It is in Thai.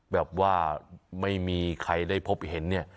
แบบว่าไม่มีใครได้พบเห็นเนี่ย